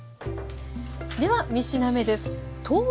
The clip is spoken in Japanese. では３品目です。